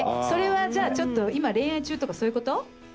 それはじゃあちょっと今恋愛中とかそういうこと？